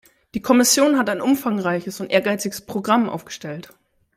Die Kommission hat ein umfangreiches und ehrgeiziges Programm aufgestellt.